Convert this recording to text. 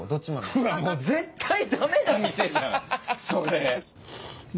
もう絶対ダメな店じゃんそれ。